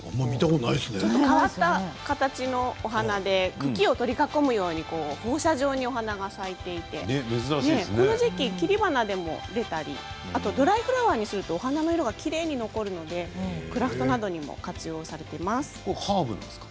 茎を取り囲むように放射状にお花が咲いていてこの時期、切り花でも売っていたりあとドライフラワーにするとお花の色がきれいに残るのでクラフトなどにもこれハーブなんですか？